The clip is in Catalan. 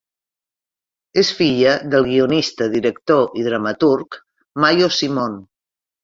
És filla del guionista, director i dramaturg Mayo Simon.